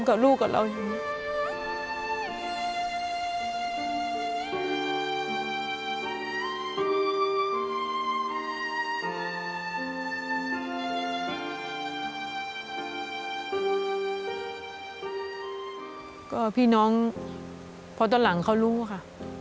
ก็พี่น้องพอตอนหลังเขารู้ค่ะ